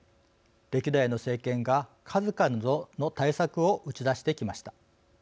歴代の政権が数々の対策を打ち出してきました。